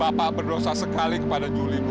bapak berdosa sekali kepada juli